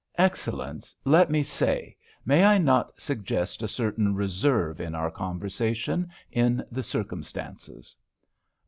"Excellence, let me say, may I not suggest a certain reserve in our conversation, in the circumstances."